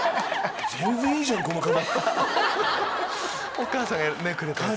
お母さんがくれたやつを。